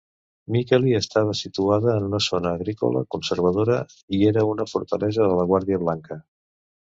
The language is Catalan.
Mikkeli estava situada en una zona agrícola conservadora i era una fortalesa de la Guàrdia Blanca.